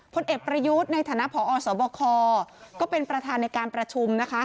ผลเอกประยุทธ์ในฐานะพอสบคก็เป็นประธานในการประชุมนะคะ